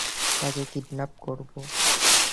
তাকে কিডন্যাপ করবো।